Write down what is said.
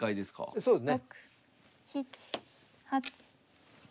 そうですね。